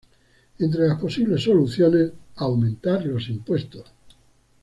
Entre las posibles soluciones: aumentar los impuestos.